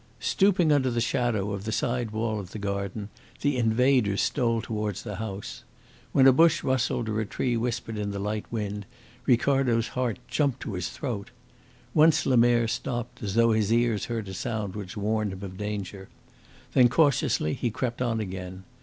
Stooping under the shadow of the side wall of the garden, the invaders stole towards the house. When a bush rustled or a tree whispered in the light wind, Ricardo's heart jumped to his throat. Once Lemerre stopped, as though his ears heard a sound which warned him of danger. Then cautiously he crept on again.